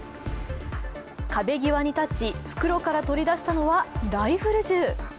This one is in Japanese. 壁際に立ち、袋から取り出したのはライフル銃。